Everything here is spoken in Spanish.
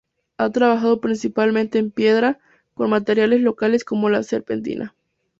Ha trabajado principalmente en piedra, con materiales locales como la serpentina.